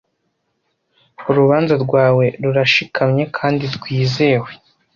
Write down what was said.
urubanza rwawe rurashikamye kandi rwizewe